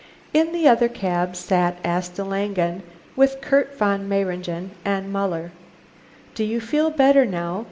In the other cab sat Asta Langen with Kurt von Mayringen and Muller. "Do you feel better now?"